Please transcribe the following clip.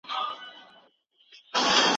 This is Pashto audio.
ځوان نسل له دې امله مغشوشېږي.